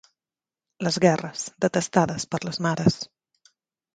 Les guerres, detestades per les mares.